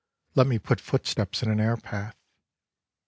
Let me put footsteps in an airpath.